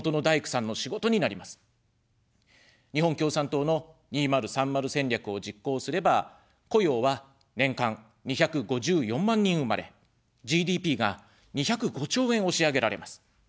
「日本共産党の２０３０戦略」を実行すれば、雇用は年間２５４万人生まれ、ＧＤＰが２０５兆円押し上げられます。